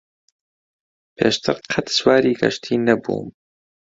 پێشتر قەت سواری کەشتی نەبووم.